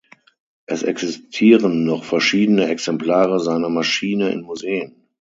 Es existieren noch verschiedene Exemplare seiner Maschine in Museen.